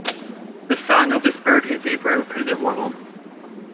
The song of this bird is a bright repetitive warble.